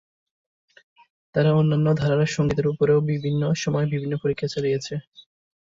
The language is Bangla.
তারা অন্যান্য ধারার সঙ্গীতের উপরেও বিভিন্ন সময়ে বিভিন্ন পরীক্ষা চালিয়েছে।